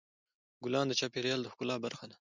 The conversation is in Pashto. ګلان د چاپېریال د ښکلا برخه ده.